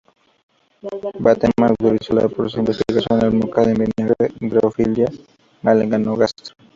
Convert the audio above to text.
Bateman utilizó para su investigación la mosca del vinagre Drosophila melanogaster.